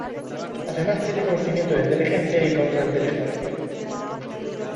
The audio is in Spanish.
Además, tiene conocimientos de inteligencia y contrainteligencia.